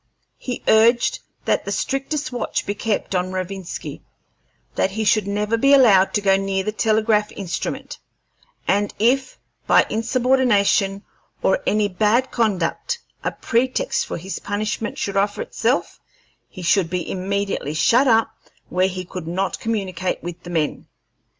He urged that the strictest watch be kept on Rovinski; that he should never be allowed to go near the telegraph instrument; and if, by insubordination or any bad conduct, a pretext for his punishment should offer itself, he should be immediately shut up where he could not communicate with the men.